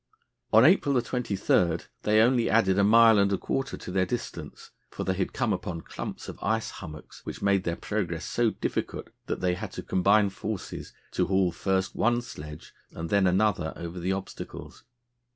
On April 23 they only added a mile and a quarter to their distance, for they had come upon clumps of ice hummocks which made their progress so difficult that they had to combine forces to haul first one sledge and then another over the obstacles.